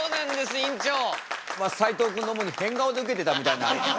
まあ斉藤君の主に変顔でウケてたみたいな。